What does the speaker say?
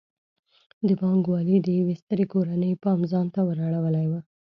د بانک والۍ د یوې سترې کورنۍ پام ځان ته ور اړولی و.